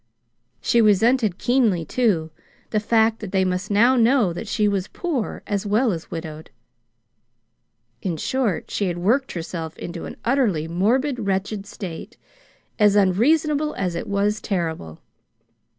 She resented keenly, too, the fact that they must now know that she was poor as well as widowed. In short, she had worked herself Into an utterly morbid, wretched state, as unreasonable as it was terrible.